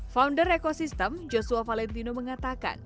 founder ekosistem joshua valentino mengatakan